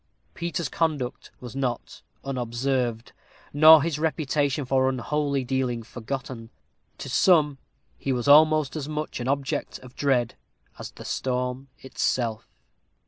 Peter's conduct was not unobserved, nor his reputation for unholy dealing forgotten. To some he was almost as much an object of dread as the storm itself.